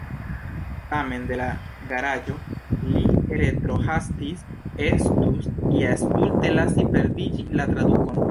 Tamen de la garaĝo li retrohastis, estus ja stulte lasi perdiĝi la tradukon.